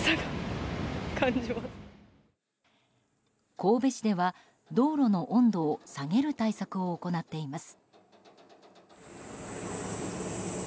神戸市では道路の温度を下げる対策を行っています。